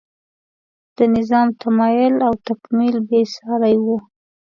د نظام تمایل او تکمیل بې سارۍ و.